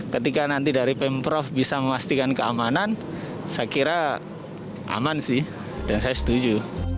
ketika nanti dari pemprov bisa memastikan keamanan saya kira aman sih dan saya setuju